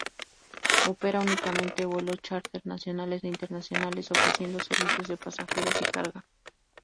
Opera únicamente vuelos chárter nacionales e internacionales, ofreciendo servicios de pasajeros y carga.